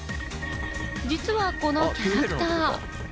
実はこのキャラクター。